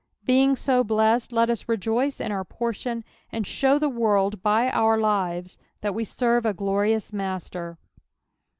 Beiag so blessed, let us rejoice ia Dur portion, and show the world bj our lire* that we serve a glorious Master.